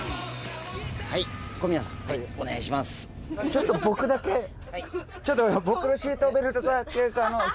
ちょっと僕だけちょっと待って。